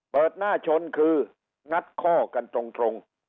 เปิดหน้าชนคืองัดข้อกันตรง